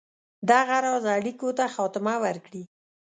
دغه راز اړېکو ته خاتمه ورکړي.